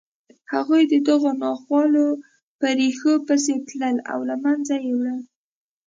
هغوی د دغو ناخوالو په ریښو پسې تلل او له منځه یې وړل